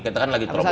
kita kan lagi promosi